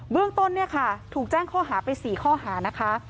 เบื้องต้นถูกแจ้งข้อหาไป๔ข้อหานะคะ